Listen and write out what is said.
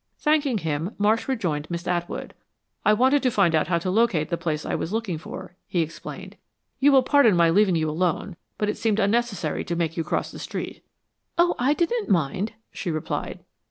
Thanking him, Marsh rejoined Miss Atwood. "I wanted to find out how to locate the place I was looking for," he explained. "You will pardon my leaving you alone, but it seemed unnecessary to make you cross the street." "Oh, I didn't mind," she replied.